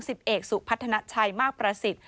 สิบเอกสุพัฒนาชัยมากประสิทธิ์